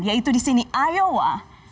yaitu disini iowa